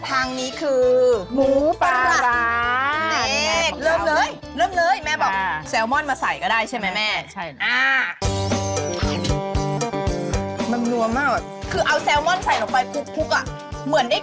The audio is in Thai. อันนี้ค่ะไขมะลุบจิ้มทางนี้คือ